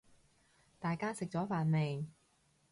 大家食咗飯未